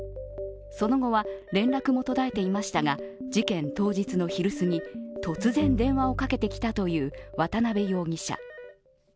その後は連絡も途絶えていましたが事件当日の昼すぎ、突然、電話をかけてきたという渡辺容疑者。